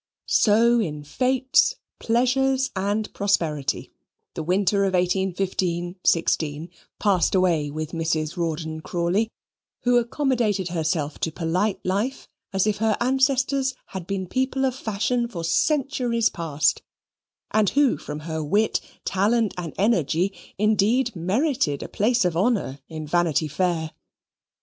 So in fetes, pleasures, and prosperity, the winter of 1815 16 passed away with Mrs. Rawdon Crawley, who accommodated herself to polite life as if her ancestors had been people of fashion for centuries past and who from her wit, talent, and energy, indeed merited a place of honour in Vanity Fair.